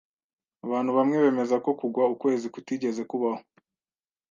Abantu bamwe bemeza ko kugwa ukwezi kutigeze kubaho.